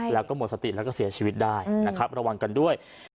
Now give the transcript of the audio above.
แล้วก็หมดสติแล้วก็เสียชีวิตได้นะครับระวังกันด้วย